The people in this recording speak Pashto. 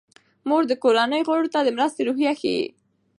مور د کورنۍ غړو ته د مرستې روحیه ښيي.